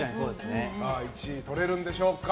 １位とれるんでしょうか。